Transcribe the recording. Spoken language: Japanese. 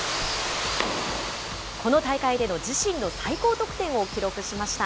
この大会での自身の最高得点を記録しました。